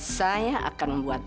saya akan membuat